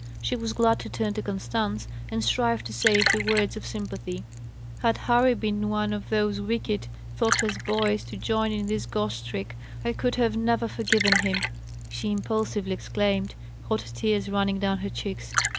She was glad to turn to Constance, and strive to say a few words of sympathy. "Had Harry been one of those wicked, thoughtless boys to join in this ghost trick, I could never have forgiven him!" she impulsively exclaimed, hot tears running down her cheeks.